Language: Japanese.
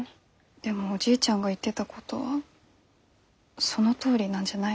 でもおじいちゃんが言ってたことはそのとおりなんじゃないの？